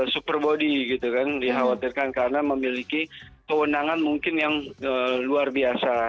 super body gitu kan dikhawatirkan karena memiliki kewenangan mungkin yang luar biasa